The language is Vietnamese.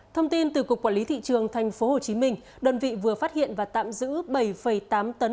thông tin từ cục quản lý thị trường tp hcm đơn vị vừa phát hiện và tạm giữ bảy tám tấn